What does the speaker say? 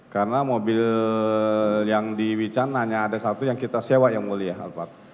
karena mobil yang di wican hanya ada satu yang kita sewa yang mulia alphard